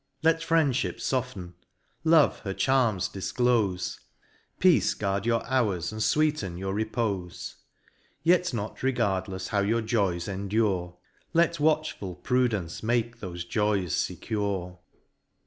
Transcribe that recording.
ii Let Friendfhip foften, Love her charms difclofe, Peace guard your hours, and fweeten your repofe. Yet not regardlefs how your joys endure, Let watchful Prudence make thofe joys fecure.